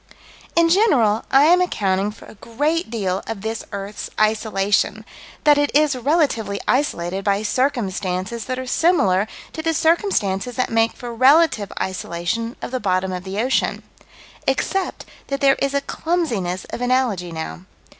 In general I am accounting for a great deal of this earth's isolation: that it is relatively isolated by circumstances that are similar to the circumstances that make for relative isolation of the bottom of the ocean except that there is a clumsiness of analogy now.